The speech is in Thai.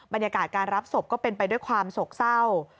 บรรยากาศการรับศพก็เป็นไปด้วยความโศกเศร้า